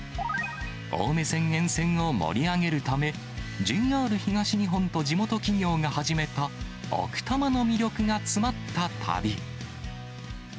青梅線沿線を盛り上げるため、ＪＲ東日本と地元企業が始めた、奥多摩の魅力が詰まった旅。